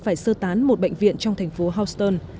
phải sơ tán một bệnh viện trong thành phố houston